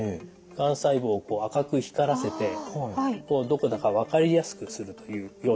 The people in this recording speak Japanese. がん細胞を赤く光らせてどこだか分かりやすくするというようなことも。